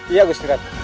iya gusti ratu